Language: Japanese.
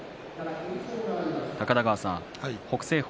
高田川さん、北青鵬